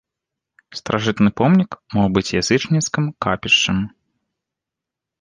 Старажытны помнік мог быць язычніцкім капішчам.